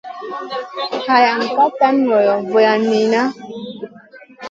Hayan ka tan ŋolo vulan niyna.